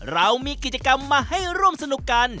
เรามีกิจกรรมมาให้ร่วมสนุกกัน